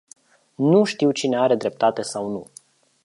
Nu știu cine are dreptate sau nu.